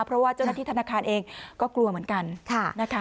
เพราะว่าเจ้าหน้าที่ธนาคารเองก็กลัวเหมือนกันนะคะ